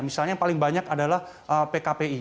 misalnya yang paling banyak adalah pkpi